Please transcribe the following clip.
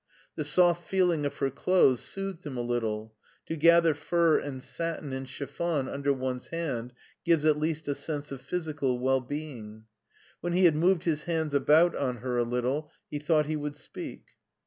The soft feeling of her clothes soothed him a little : to gather fur and satin and chiffon under one's hand gives at least a sense of physical well being. When he had moved his hands about on her a little he thought he would speak.